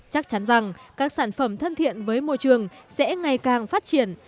chắc chắn rằng các sản phẩm thân thiện với môi trường sẽ ngày càng phát triển